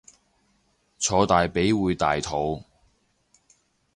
坐大髀會大肚